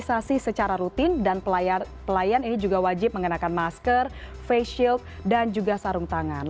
dan juga pelayan ini juga wajib menggunakan masker face shield dan juga sarung tangan